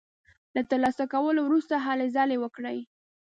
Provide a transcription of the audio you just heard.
له تر لاسه کولو وروسته هلې ځلې وکړي.